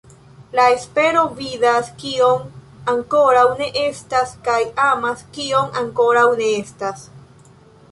La espero vidas kion ankoraŭ ne estas kaj amas kion ankoraŭ ne estas".